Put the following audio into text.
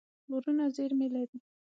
غرونه زېرمې لري.